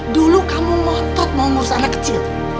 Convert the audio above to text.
dulu kamu ngotot mau ngurus anak kecil